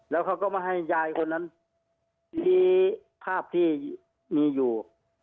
แล้วเขาก็มาให้ยายคนนั้นชี้ภาพที่มีอยู่